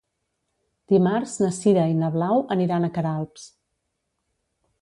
Dimarts na Sira i na Blau aniran a Queralbs.